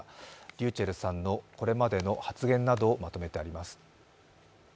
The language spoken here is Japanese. ｒｙｕｃｈｅｌｌさんのこれまでの発言などをまとめてあります。